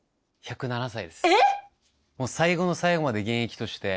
最後の最後まで現役として。